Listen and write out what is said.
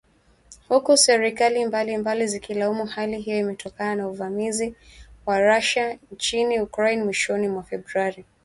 huku serikali mbalimbali zikilaumu hali hiyo imetokana na uvamizi wa Russia nchini Ukraine mwishoni mwa Februari